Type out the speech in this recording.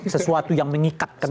sesuatu yang mengikatkan